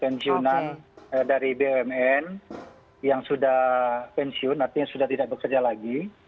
pensiunan dari bumn yang sudah pensiun artinya sudah tidak bekerja lagi